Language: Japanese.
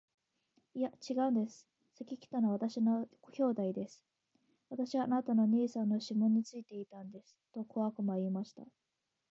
「いや、ちがうんです。先来たのは私の兄弟です。私はあなたの兄さんのシモンについていたんです。」と小悪魔は言いました。